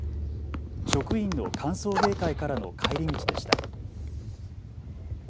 職員の歓送迎会からの帰り道でした。